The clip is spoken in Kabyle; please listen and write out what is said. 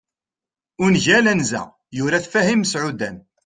ungal anza, yura-t Fahim Meɛudan